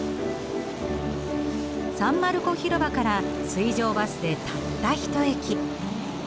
サン・マルコ広場から水上バスでたった一駅。